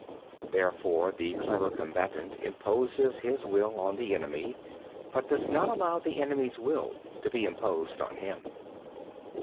2. Therefore the clever combatant imposes his will on the enemy, but does not allow the enemy's will to be imposed on him.